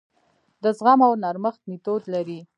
د زغم او نرمښت میتود لري.